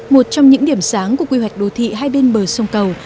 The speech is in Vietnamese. một trong những điểm sáng của quy hoạch tổng thể của thành phố thái nguyên